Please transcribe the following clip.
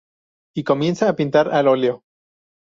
Y comienza a pintar al óleo.